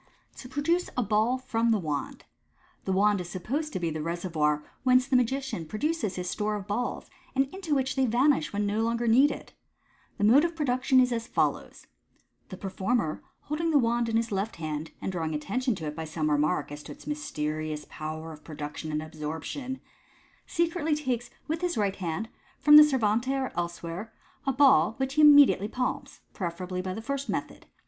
To Produce a Ball from the Wand. — The wand is supposed to be the reservoir whence the magician produces his store of balls, and into which they vanish when no longer needed. The mode of production is as follows:— The performer, holding the wand in his left hand, and drawing attention to it by some remark as to its mys terious power of production and absorption, secretly takes with his right hand, from the servante or elsewhere, a balf, which he imme diately palms (preferably by the first method).